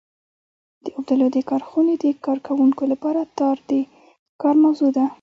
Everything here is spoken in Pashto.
د اوبدلو د کارخونې د کارکوونکو لپاره تار د کار موضوع ده.